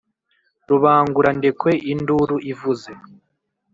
Rubangurandekwe induru ivuze